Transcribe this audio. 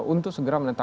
untuk segera menetapkan